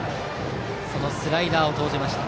そのスライダーを投じました。